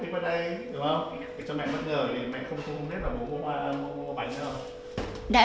cho mẹ bất ngờ thì mẹ không biết là bố mua bánh đâu